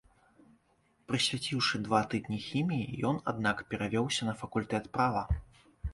Прысвяціўшы два тыдні хіміі, ён аднак перавёўся на факультэт права.